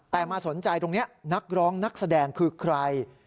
แต่มาสนใจตรงนี้นักร้องนักแสดงคือใคร